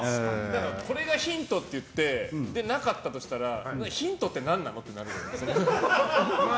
これがヒントって言ってなかったとしたらヒントって何なの？ってなりますよね。